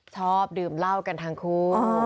ชอบดื่มเหล้ากันทั้งคู่